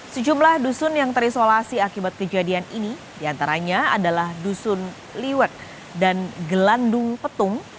sejumlah dusun yang terisolasi akibat kejadian ini diantaranya adalah dusun liwet dan gelandung petung